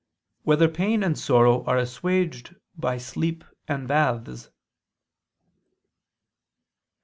5] Whether Pain and Sorrow Are Assuaged by Sleep and Baths?